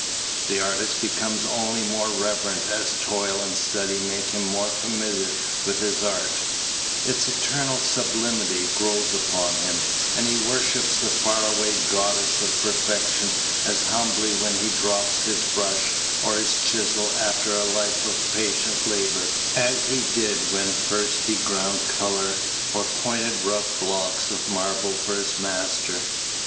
The artist becomes only more reverent as toil and study make him more familiar with his art; its eternal sublimity grows upon him, and he worships the far away Goddess of Perfection as humbly when he drops his brush or his chisel after a life of patient labor as he did when first he ground color or pointed rough blocks of marble for his master.